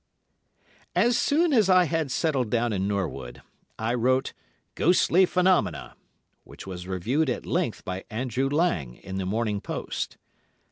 As soon as I had settled down in Norwood, I wrote "Ghostly Phenomena," which was reviewed at length by Andrew Lang in the "Morning Post."